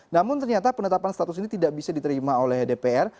namun ternyata penetapan status ini tidak bisa diterima oleh dpr